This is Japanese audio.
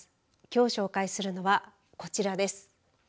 きょう紹介するのはこちらです。